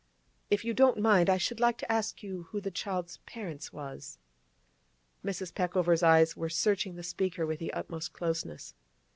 If you don't mind, I should like to ask you who the child's parents was.' Mrs. Peckover's eyes were searching the speaker with the utmost closeness.